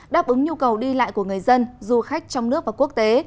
đáp ứng nhu cầu đi lại của người dân du khách trong nước và quốc tế